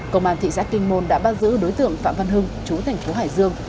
công an thị xã kinh môn đã bắt giữ đối tượng phạm văn hưng chú thành phố hải dương